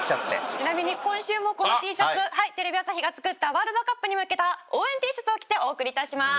ちなみに今週もこのＴシャツテレビ朝日が作ったワールドカップに向けた応援Ｔシャツを着てお送り致します。